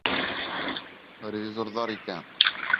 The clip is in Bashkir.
Ревизорҙар икән!